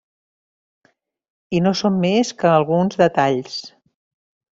I no són més que alguns detalls.